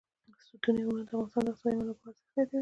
ستوني غرونه د افغانستان د اقتصادي منابعو ارزښت زیاتوي.